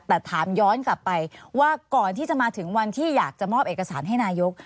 แต่ถามย้อนกลับไปว่าก่อนที่จะมาถึงวันที่อยากจะมอบเอกสารให้นายก